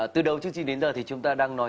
từ đầu chương trình đến giờ thì chúng ta đang nói